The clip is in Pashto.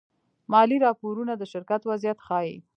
مالي راپورونه د شرکت وضعیت ښيي.